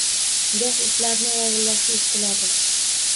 Goh itlarning vovullashi eshitiladi